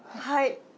はい。